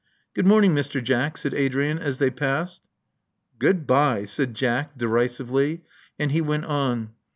Good morning, Mr. Jack," said Adrian as they passed. Goodbye, *' said Jack, derisively. And he went on.